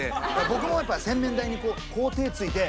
僕もやっぱ洗面台にこうこう手ついて。